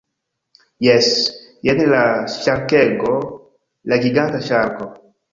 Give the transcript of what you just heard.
Jes. Jen la ŝarkego. La giganta ŝarko.